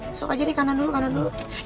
masuk aja nih kanan dulu kak